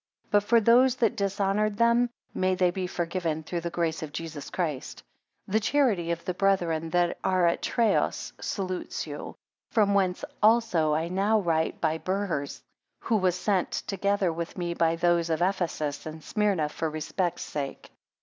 But for those that dishonoured them, may they be forgiven through the grace of Jesus Christ. 6 The charity of the brethren that are at Troas salutes you: from whence also I now write by Burrhurs, who was sent together with me by those of Ephesus and Smyrna, for respect sake.